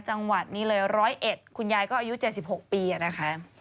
จังหวัด๑๐๑ขุนยายก็อายุ๗๖ปีนะค่ะ